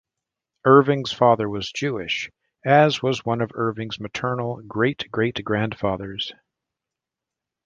Irving's father was Jewish, as was one of Irving's maternal great-great-grandfathers.